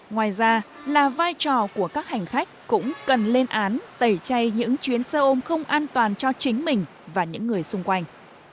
ngoài ra là vai trò của các hành khách cũng cần lên án tẩy chay những chuyến xe ôm không an toàn cho chính mình và những người xung quanh